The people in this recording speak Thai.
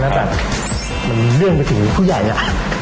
แล้วแต่มันเรื่องไปถึงผู้ใหญ่อะ